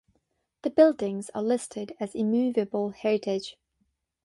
The buildings are listed as immovable heritage.